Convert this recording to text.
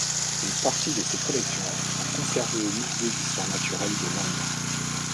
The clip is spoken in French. Une partie de ses collections sont conservées au Musée d'histoire naturelle de Londres.